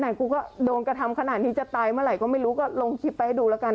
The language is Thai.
กูก็โดนกระทำขนาดนี้จะตายเมื่อไหร่ก็ไม่รู้ก็ลงคลิปไปให้ดูแล้วกัน